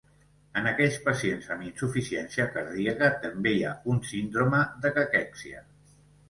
En aquells pacients amb insuficiència cardíaca també hi ha una síndrome de caquèxia.